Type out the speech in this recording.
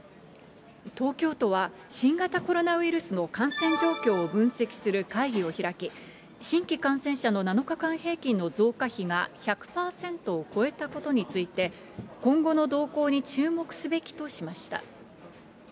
東京都は、新型コロナウイルスの感染状況を分析する会議を開き、新規感染者の７日間平均の増加比が１００％を超えたことについて、今後の動向に注目すべきとしました。